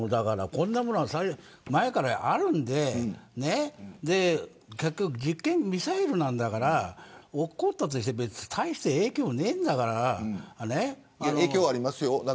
こんなものは前からあるんで結局、実験のミサイルなんだから落っこったとして大して影響はないんだか影響はありますよ。